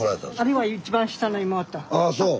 ああそう。